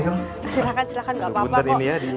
bukan silahkan gak apa apa kok